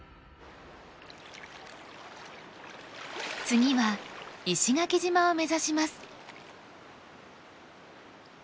次は石垣島を目指します。